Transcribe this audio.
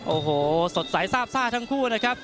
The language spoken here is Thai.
โอ้โหสดใสซาบซ่าทั้งคู่นะครับ